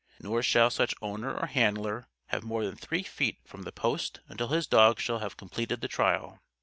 Nor shall such owner or handler move more than three feet from the post until his dog shall have completed the trial.